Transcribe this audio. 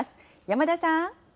山田さん。